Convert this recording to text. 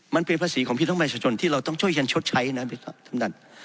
มันเป็นภาษีของพิทักษ์มายชนที่เราต้องช่วยกันชดใช้นะครับ